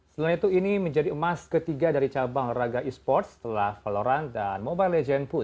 selain itu ini menjadi emas ketiga dari cabang raga e sports setelah folloran dan mobile legends pun